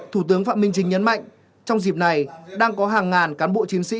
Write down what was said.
thủ tướng phạm minh chính nhấn mạnh trong dịp này đang có hàng ngàn cán bộ chiến sĩ